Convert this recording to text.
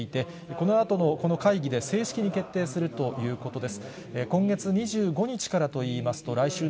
このあと、この会議で正式に決定するということです。